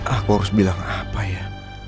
aku harus bilang apa ya